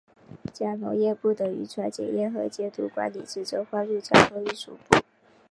将农业部的渔船检验和监督管理职责划入交通运输部。